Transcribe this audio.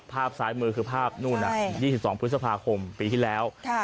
ภาพซ้ายมือคือภาพนู่น๒๒พฤษภาคมปีที่แล้ว